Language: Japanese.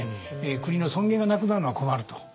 国の尊厳がなくなるのは困ると。